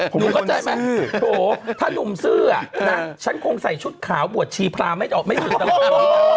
ผมเป็นคนซื่อโหถ้านุ่มซื่อฉันคงใส่ชุดขาวบวชชีพราบไม่หยุดทางข้างหลัง